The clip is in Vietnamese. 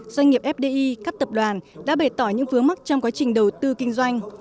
doanh nghiệp fdi các tập đoàn đã bày tỏ những vướng mắc trong quá trình đầu tư kinh doanh